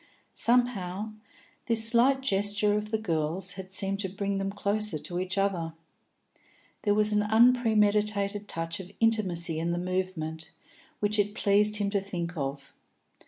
Somehow, this slight gesture of the girl's had seemed to bring them closer to each other; there was an unpremeditated touch of intimacy in the movement, which it pleased him to think of.